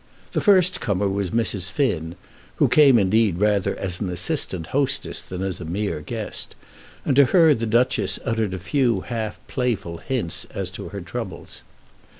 The first comer was Mrs. Finn, who came indeed rather as an assistant hostess than as a mere guest, and to her the Duchess uttered a few half playful hints as to her troubles.